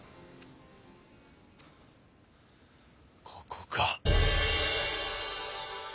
ここか！